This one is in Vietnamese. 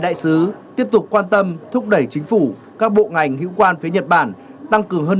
đại sứ tiếp tục quan tâm thúc đẩy chính phủ các bộ ngành hữu quan phía nhật bản tăng cường hơn